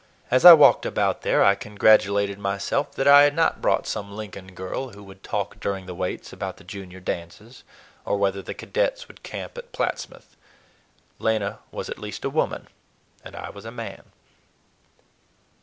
As I walked about there I congratulated myself that I had not brought some Lincoln girl who would talk during the waits about the Junior dances, or whether the cadets would camp at Plattsmouth. Lena was at least a woman, and I was a man.